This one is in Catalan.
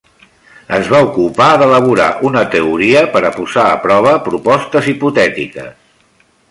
Es va ocupar d'elaborar una teoria per a posar a prova propostes hipotètiques.